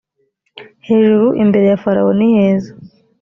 hejuru imbere ya farawo niheza